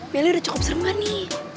milly udah cukup serembar nih